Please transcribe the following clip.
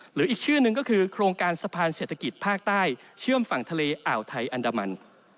หรืออีกชื่อหนึ่งก็คือโครงการสะพานเศรษฐกิจภาคใต้เชื่อมฝั่งทะเลอ่าวไทยอันดามัน